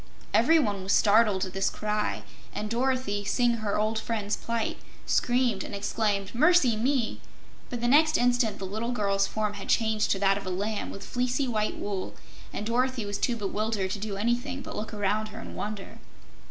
Everyone was startled at this cry, and Dorothy, seeing her old friend's plight, screamed and exclaimed: "Mercy me!" But the next instant the little girl's form had changed to that of a lamb with fleecy white wool, and Dorothy was too bewildered to do anything but look around her in wonder.